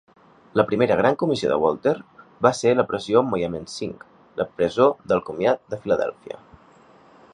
La primera gran comissió de Walter va ser la presó Moyamensing, la presó del comtat de Filadèlfia.